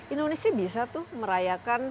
indonesia bisa tuh merayakan